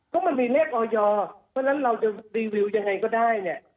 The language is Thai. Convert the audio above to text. ก็มันมีเลขออยเพราะฉะนั้นเราจะรีวิวยังไงก็ได้เนี่ย